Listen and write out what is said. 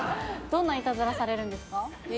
どんないたずらされるんですか。